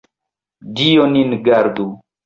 Dio nin gardu!